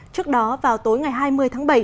trước đó vào tối ngày hai mươi tháng bảy